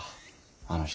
あの人。